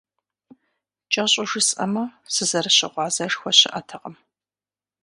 КӀэщӀу жысӀэмэ, сызэрыщыгъуазэшхуэ щыӀэтэкъым.